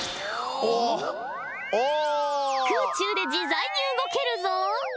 空中で自在に動けるぞ。